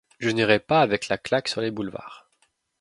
Je n'irais pas avec la claque sur les boulevards.